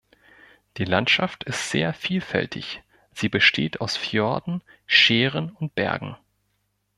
Die Landschaft ist sehr vielfältig, sie besteht aus Fjorden, Schären und Bergen.